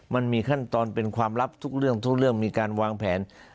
มันมีขั้นตอนเป็นความลับทุกเรื่องทุกเรื่องมีการวางแผน